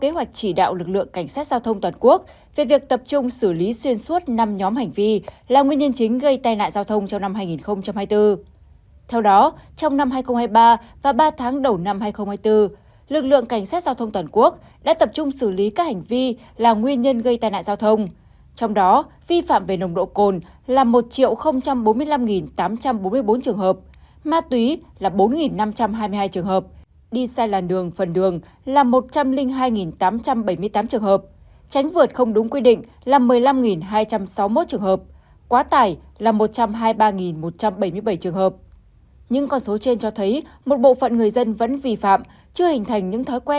hãy đăng ký kênh để ủng hộ kênh của chúng mình nhé